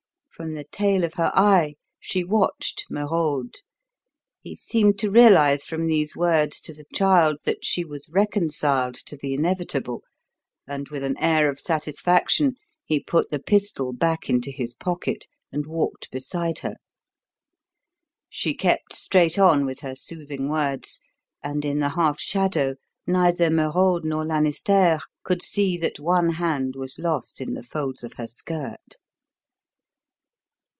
From the tail of her eye she watched Merode. He seemed to realise from these words to the child that she was reconciled to the inevitable, and with an air of satisfaction he put the pistol back into his pocket and walked beside her. She kept straight on with her soothing words; and, in the half shadow, neither Merode nor Lanisterre could see that one hand was lost in the folds of her skirt.